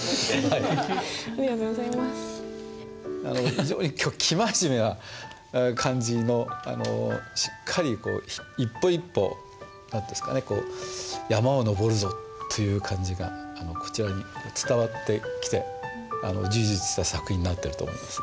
非常に生真面目な感じのしっかり一歩一歩山を登るぞという感じがこちらに伝わってきて充実した作品になってると思います。